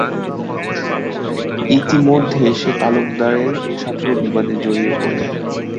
ইতিমধ্যে সে তালুকদারের সাথেও বিবাদে জড়িয়ে পরে।